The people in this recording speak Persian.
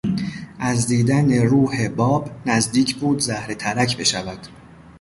از دیدن روح باب نزدیک بود زهره ترک بشود.